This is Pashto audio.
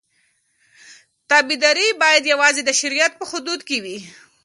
تابعداري باید یوازې د شریعت په حدودو کې وي.